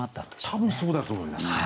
多分そうだと思います。